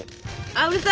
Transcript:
・あうるさ！